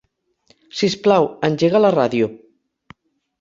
Sisplau, engega la ràdio.